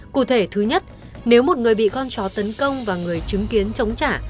cụ thể thứ nhất nếu một người bị con chó tấn công và người chứng kiến chống trả